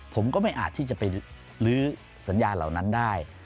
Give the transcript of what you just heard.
ผมก็ไม่อาจที่จะไปลื้อสัญญาเหล่านั้นได้